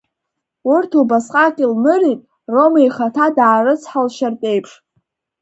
Урҭ убасҟак илнырит, Рома ихаҭа даарыцҳаишьартә еиԥш.